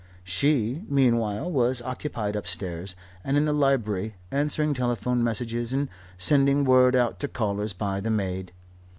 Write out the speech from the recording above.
She, meanwhile, was occupied upstairs and in the library answering telephone messages and sending word out to callers by the maid.